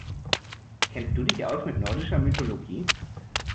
Kennst du dich aus mit nordischer Mythologie?